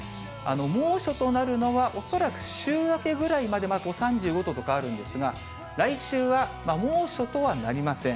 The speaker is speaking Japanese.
猛暑となるのは恐らく週明けぐらいまで３５度とかあるんですが、来週は猛暑とはなりません。